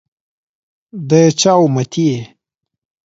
دچا اُمتي يی؟